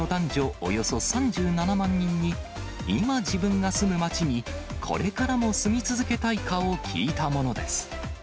およそ３７万人に、今、自分が住む街に、これからも住み続けたいかを聞いたものです。